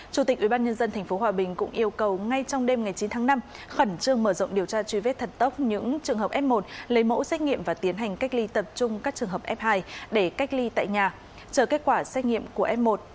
chủ tịch ubnd tp hòa bình cũng yêu cầu ngay trong đêm ngày chín tháng năm khẩn trương mở rộng điều tra truy vết thật tốc những trường hợp f một lấy mẫu xét nghiệm và tiến hành cách ly tập trung các trường hợp f hai để cách ly tại nhà chờ kết quả xét nghiệm của f một